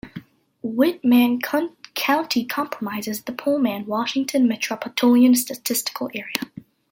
Whitman County comprises the Pullman, Washington Metropolitan Statistical Area.